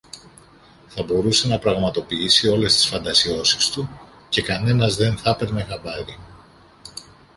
Θα μπορούσε να πραγματοποιήσει όλες τις φαντασιώσεις του και κανένας δε θα ´παιρνε χαμπάρι